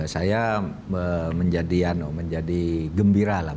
saya menjadi ya noh menjadi gembira lah